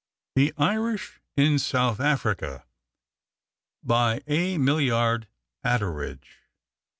THE IRISH IN SOUTH AFRICA By A. MILLIARD ATTERIDGE.